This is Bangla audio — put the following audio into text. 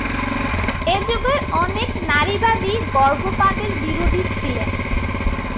এ যুগের অনেক নারীবাদী গর্ভপাতের বিরোধী ছিলেন।